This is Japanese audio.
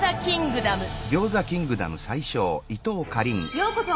ようこそ！